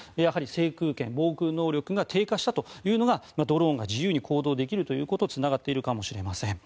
制空権、防空能力が低下したというのがドローンが自由に行動できることにつながっているかもしれません。